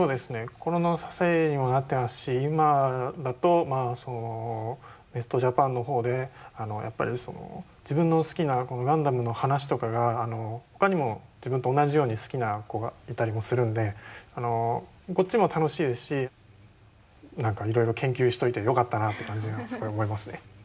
今だとネスト・ジャパンの方でやっぱり自分の好きな「ガンダム」の話とかがほかにも自分と同じように好きな子がいたりもするんでこっちも楽しいですし何かいろいろ研究しといてよかったなって感じがすごい思いますね。